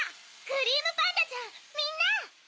クリームパンダちゃんみんな！